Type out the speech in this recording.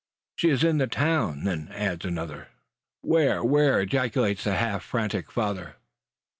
"She is in the town, then," adds another. "Where? where?" ejaculates the halt frantic father.